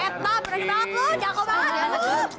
mbak peh itu namanya jeruk makan jeruk